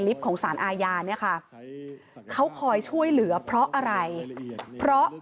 ของสารอาญาเนี่ยค่ะเขาคอยช่วยเหลือเพราะอะไรเพราะ